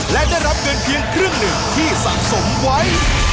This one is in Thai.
และได้รับเงินเพียงครึ่งหนึ่งที่สะสมไว้